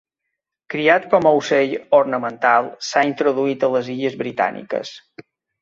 Criat com a ocell ornamental s'ha introduït a les Illes Britàniques.